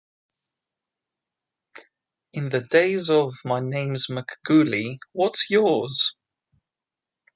In the days of My Name's McGooley, What's Yours?